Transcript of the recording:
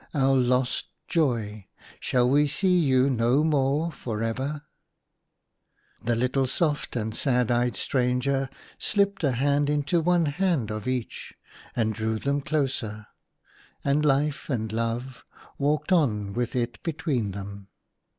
our lost Joy ! shall we see you no more for ever ?" The little soft and sad eyed stranger slipped a hand into one hand of each, and drew them closer, and Life and Love walked on with it between them.